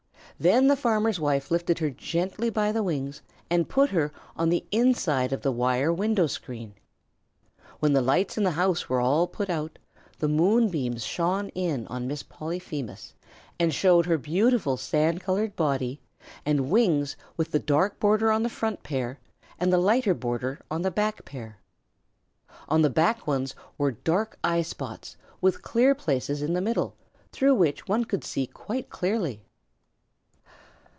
Then the farmer's wife lifted her gently by the wings and put her on the inside of the wire window screen. When the lights in the house were all put out, the moonbeams shone in on Miss Polyphemus and showed her beautiful sand colored body and wings with the dark border on the front pair and the lighter border on the back pair. On the back ones were dark eye spots with clear places in the middle, through which one could see quite clearly.